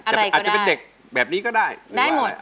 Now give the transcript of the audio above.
อาจจะเป็นเด็กแบบนี้ก็ได้